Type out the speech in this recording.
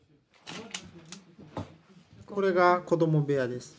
これが子供部屋です。